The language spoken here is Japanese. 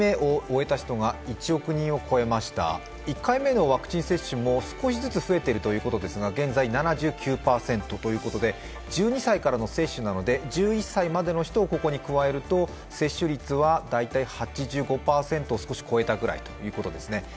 １回目のワクチン接種も少しずつ増えているということですが、現在７９％ということで、１２歳からの接種なので、１１歳までの人をここに加えると接種率は大体８５％を少し超えたぐらいということですね。